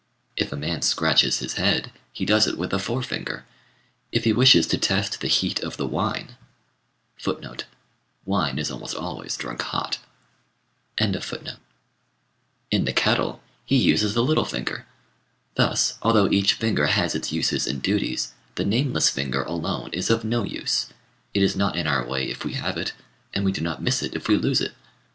If a man scratches his head, he does it with the forefinger; if he wishes to test the heat of the wine in the kettle, he uses the little finger. Thus, although each finger has its uses and duties, the nameless finger alone is of no use: it is not in our way if we have it, and we do not miss it if we lose it.